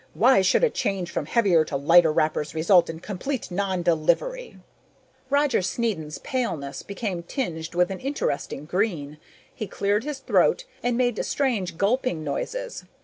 Why should a change from heavier to lighter wrappers result in complete non delivery?" Roger Snedden's paleness became tinged with an interesting green. He cleared his throat and made strange gulping noises.